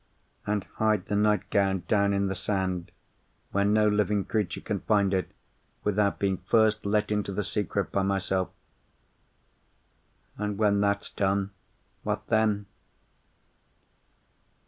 —and hide the nightgown down in the sand, where no living creature can find it without being first let into the secret by myself. "And, when that's done, what then?